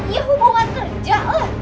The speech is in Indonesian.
iya hubungan kerja